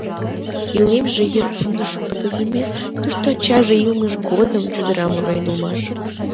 Илемже йыр пундыш пытыдыме, тушто ачаже илымыж годым чодырам руэн улмаш.